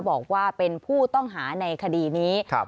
บอกว่าเป็นผู้ต้องหาในคดีนี้